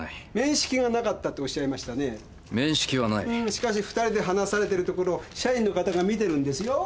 しかし二人で話されているところ社員の方が見てるんですよ。